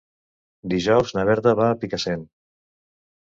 Dijous na Berta va a Picassent.